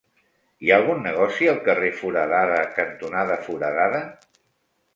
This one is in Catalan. Hi ha algun negoci al carrer Foradada cantonada Foradada?